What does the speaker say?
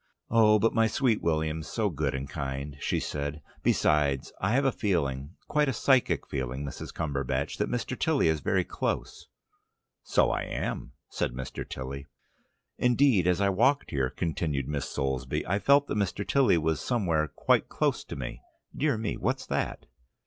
"Oh, but my Sweet William's so good and kind," she said; "besides, I have a feeling, quite a psychic feeling, Mrs. Cumberbatch, that Mr. Tilly is very close." "So I am," said Mr. Tilly. "Indeed, as I walked here," continued Miss Soulsby, "I felt that Mr. Tilly was somewhere quite close to me. Dear me, what's that?"